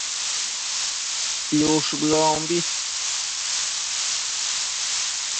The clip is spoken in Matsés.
piush bëombi